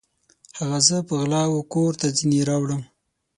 هغه زه په غلا وکور ته ځیني راوړم